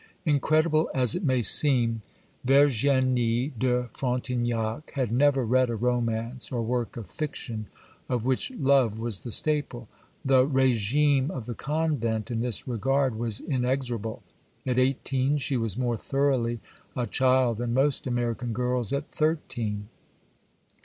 Incredible as it may seem, Virginie de Frontignac had never read a romance or work of fiction of which love was the staple; the régime of the convent in this regard was inexorable; at eighteen she was more thoroughly a child than most American girls at thirteen.